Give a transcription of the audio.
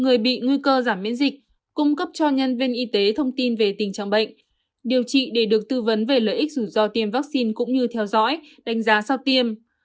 người bị nguy cơ giảm miễn dịch cung cấp cho nhân viên y tế thông tin về tình trạng bệnh điều trị để được tư vấn về lợi ích rủi ro tiêm vaccine cũng như theo dõi đánh giá sau tiêm